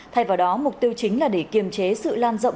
thay vào đó mục tiêu chính là để kiềm chế sự lan rộng